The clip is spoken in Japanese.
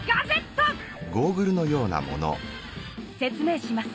説明します。